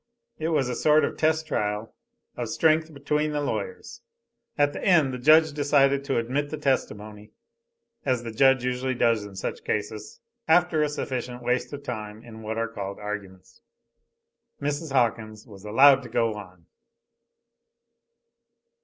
It was a sort of test trial of strength between the lawyers. At the end the judge decided to admit the testimony, as the judge usually does in such cases, after a sufficient waste of time in what are called arguments. Mrs. Hawkins was allowed to go on.